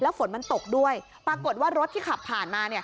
ฝนมันตกด้วยปรากฏว่ารถที่ขับผ่านมา